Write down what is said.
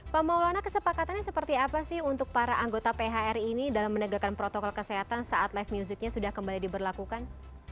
pak maulana kesepakatannya seperti apa sih untuk para anggota phr ini dalam menegakkan protokol kesehatan saat live musicnya sudah kembali diberlakukan